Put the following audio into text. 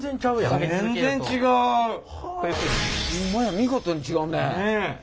ホンマや見事に違うね。